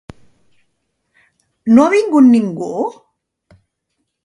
No ha vingut ningú?